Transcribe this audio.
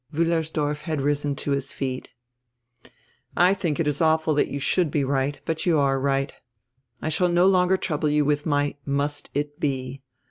Wiillersdorf had risen to his feet "I think it is awful that you should be right, but you are right. I shall no longer trouble you with my 'must it be.'